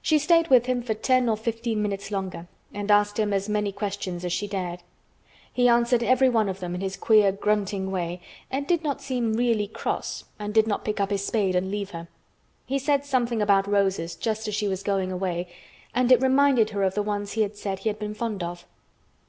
She stayed with him for ten or fifteen minutes longer and asked him as many questions as she dared. He answered everyone of them in his queer grunting way and he did not seem really cross and did not pick up his spade and leave her. He said something about roses just as she was going away and it reminded her of the ones he had said he had been fond of.